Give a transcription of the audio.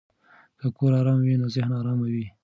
که کور آرام وي نو ذهن آرام وي.